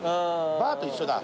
バーと一緒だ。